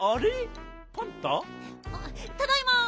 ただいま！